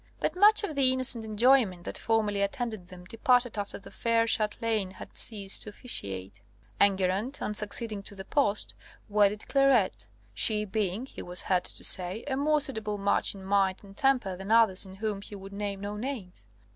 But much of the innocent enjoyment that formerly attended them departed after the fair Ch√¢telaine had ceased to officiate. Enguerrand, on succeeding to the post, wedded Clairette, she being (he was heard to say) a more suitable match in mind and temper than others of whom he would name no names.